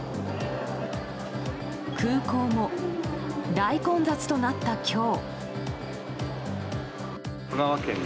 空港も大混雑となった今日。